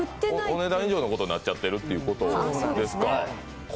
お値段以上のことになっちゃっているということですか。